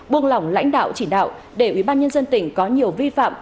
buông lỏng lãnh đạo chỉ đạo để ủy ban nhân dân tỉnh có nhiều vi phạm